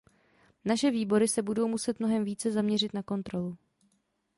Naše výbory se budou muset mnohem více zaměřit na kontrolu.